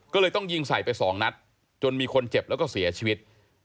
ก็เลยต้องยิงใส่ไปสองนัดจนมีคนเจ็บแล้วก็เสียชีวิต